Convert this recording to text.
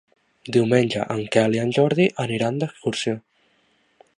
Diumenge en Quel i en Jordi aniran d'excursió.